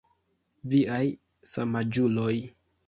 Viaj samaĝuloj.